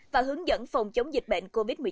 và hướng dẫn phòng chống dịch bệnh covid một mươi chín